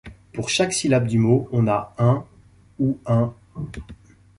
Pour chaque syllabe du mot on a un ▄ ou un ▄▄▄.